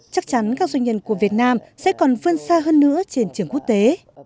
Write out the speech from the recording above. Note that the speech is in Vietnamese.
chắc chắn các doanh nhân của việt nam sẽ còn vươn xa hơn nữa trên trường quốc tế